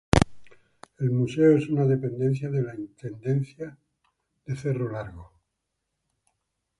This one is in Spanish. El museo es una dependencia de la Intendencia de Cerro Largo.